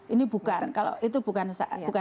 ini bukan kalau itu bukan